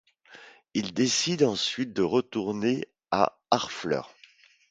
Il décide ensuite de retourner à Harfleur.